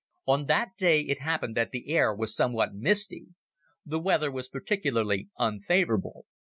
On that day it happened that the air was somewhat misty. The weather was particularly unfavorable.